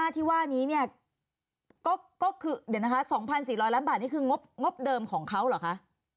๔๕๐๐๐ที่ว่านี้เนี่ยก็คือ๒๔๐๐ล้านบาทนี่คืองบเดิมของเขาเหรอคะ